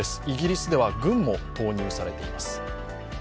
イギリスでは軍も投入されています。